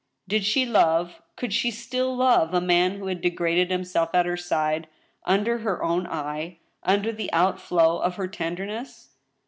Did she love, could she still love a man who had degraded him self at her side, under her own eye, under the outflow of her tender ness?